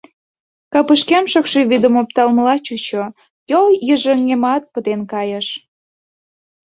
Капышкем шокшо вӱдым опталмыла чучо, йолйыжыҥемат пытен кайыш.